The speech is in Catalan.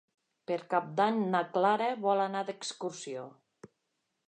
Per Cap d'Any na Clara vol anar d'excursió.